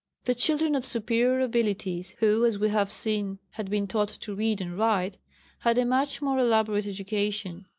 The children of superior abilities, who as we have seen had been taught to read and write, had a much more elaborate education.